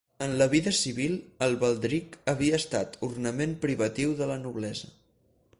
En la vida civil el baldric havia estat ornament privatiu de la noblesa.